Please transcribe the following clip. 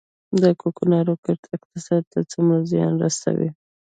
د کوکنارو کښت اقتصاد ته څومره زیان رسوي؟